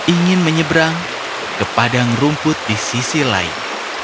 ingin menyeberang ke padang rumput di sisi lain